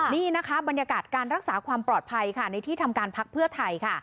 นี่นะคะบรรยากาศการรักษาความปลอดภัยค่ะในที่ทำการพักเพื่อไทยค่ะ